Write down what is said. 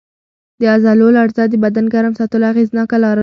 د عضلو لړزه د بدن ګرم ساتلو اغېزناکه لار ده.